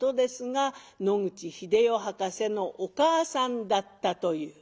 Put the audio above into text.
野口英世博士のお母さんだったという。